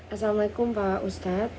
assalamu'alaikum pak ustadz